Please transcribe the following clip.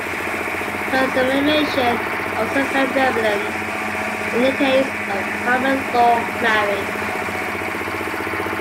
Consummation is also very relevant in the case of a common law marriage.